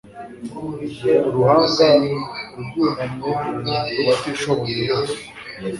Uruhanga rwunamye ku batishoboye bose